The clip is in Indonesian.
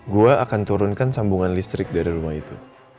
gue akan turunkan sambungan listrik dari rumah itu